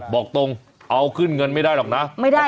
บอกตรงเอาคืนเงินไม่ได้หรอกนะไม่ได้ค่ะ